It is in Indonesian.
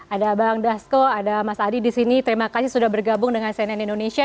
ada bang dasko ada mas adi di sini terima kasih sudah bergabung dengan cnn indonesia